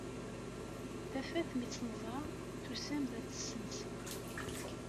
Tafat mi tt-neẓra, tusam-d ad tt-tessensem.